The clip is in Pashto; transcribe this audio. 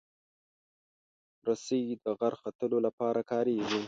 رسۍ د غر ختلو لپاره کارېږي.